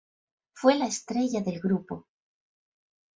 Fue la estrella del grupo.